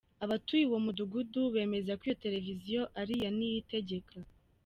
Abatuye uwo mudugudu bemeza ko iyo televiziyo ari iya Niyitegeka.